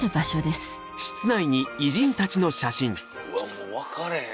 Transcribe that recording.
もう分かれへん。